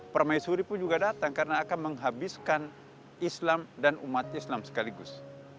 permaisuri pun juga datang karena akan menghabiskan islam dan umat islam sekaligus